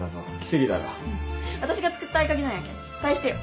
あたしが作った合鍵なんやけん返してよ。